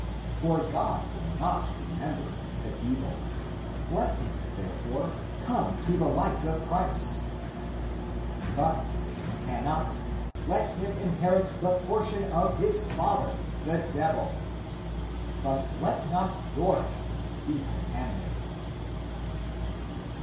For God will not remember the evil. Let him, therefore, come to the light of Christ. But if he cannot, let him inherit the portion of his father, 104 THE APOCRYPHAL ACTS the devil. But let not your hands be contaminated.